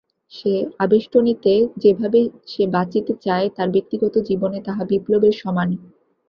সে আবেষ্টনীতে যেভাবে সে বাচিতে চায় তার ব্যক্তিগত জীবনে তাহা বিপ্লবের সমান।